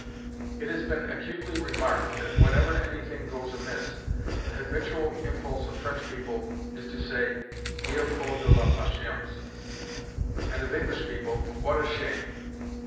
It has been acutely remarked that whenever any thing goes amiss, the habitual impulse of French people is to say, "Il faut de la patience;" and of English people, "What a shame!"